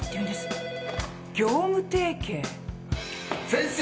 先生！